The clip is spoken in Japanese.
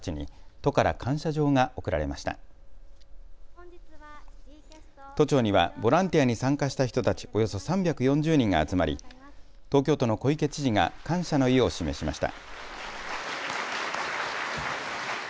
都庁にはボランティアに参加した人たちおよそ３４０人が集まり東京都の小池知事が感謝の意を示しました。